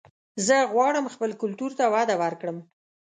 زه غواړم خپل کلتور ته وده ورکړم